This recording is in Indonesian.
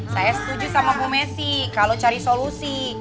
saya setuju sama bu messi kalau cari solusi